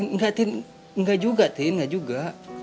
enggak tin enggak juga tin enggak juga